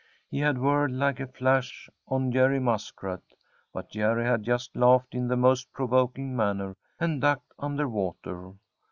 He had whirled like a flash on Jerry Muskrat, but Jerry had just laughed in the most provoking manner and ducked under water.